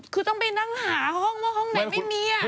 คือต้องไปนั่งหาห้องว่าห้องไหนไม่มี